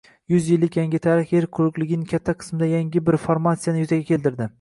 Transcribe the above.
Yuz yillik yangi tarix yer quruqligining kattagina qismida yangi bir formatsiyani yuzaga keltirdi.